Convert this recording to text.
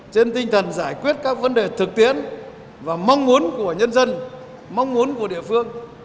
trên tinh thần giải quyết các vấn đề thực tiễn và mong muốn của nhân dân mong muốn của địa phương